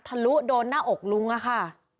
ลุโดนหน้าอกลุงอะค่ะ